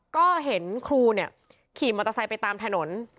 ก็เห็นครูเนี่ยขี่มอเตอร์ไซค์ไปตามถนน